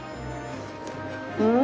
うん！